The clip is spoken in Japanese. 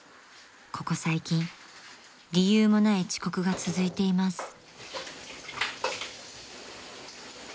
［ここ最近理由もない遅刻が続いています］